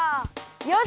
よし。